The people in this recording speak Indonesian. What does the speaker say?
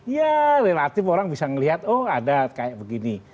ya relatif orang bisa melihat oh ada kayak begini